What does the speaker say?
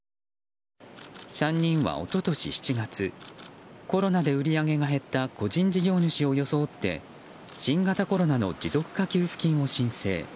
３人は、一昨年７月コロナで売り上げが減った個人事業主を装って新型コロナの持続化給付金を申請。